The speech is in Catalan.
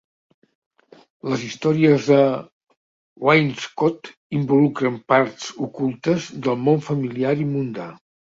Les històries de Wainscot involucren parts ocultes del món familiar i mundà.